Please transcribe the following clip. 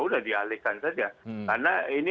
udah dialihkan saja karena ini